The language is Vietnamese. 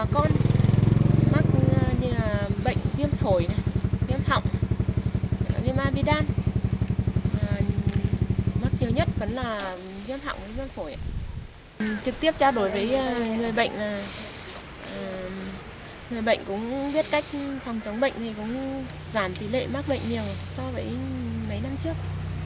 cách phòng chống bệnh thì cũng giảm tỷ lệ mắc bệnh nhiều so với mấy năm trước